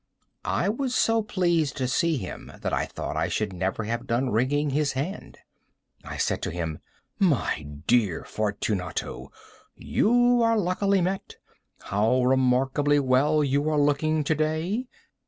I was so pleased to see him, that I thought I should never have done wringing his hand. I said to him: "My dear Fortunato, you are luckily met. How remarkably well you are looking to day!